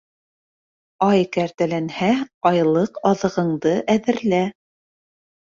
Ай кәртәләнһә, айлыҡ аҙығыңды әҙерлә